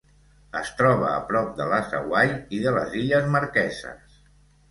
Es troba a prop de les Hawaii i de les Illes Marqueses.